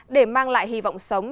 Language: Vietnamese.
để mang lại hy vọng sống